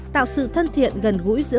tạo sự thân thiện gần gũi giữa các cơ sở